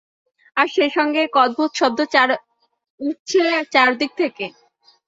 আর সেইসঙ্গে এক অদ্ভুত শব্দ উঠছে চারদিক থেকে।